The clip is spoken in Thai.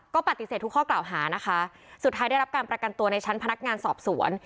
ก็ปฏิเสธทุกข้อกล่าวหานะคะสุดท้ายได้รับการประกันตัวในชั้นพนักงานสอบสวน